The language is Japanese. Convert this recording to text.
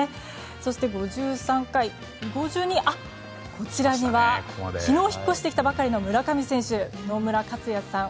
そして、５２階には昨日引っ越してきたばかりの村上選手野村克也さん